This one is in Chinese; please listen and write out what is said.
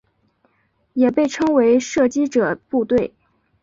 也被称为射击者部队。